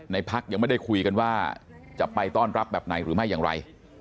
พักยังไม่ได้คุยกันว่าจะไปต้อนรับแบบไหนหรือไม่อย่างไร